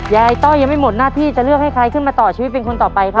ต้อยยังไม่หมดหน้าที่จะเลือกให้ใครขึ้นมาต่อชีวิตเป็นคนต่อไปครับ